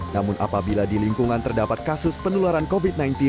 namun apabila di lingkungan terdapat kasus penularan covid sembilan belas